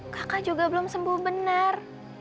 kakak juga belum sembuh benar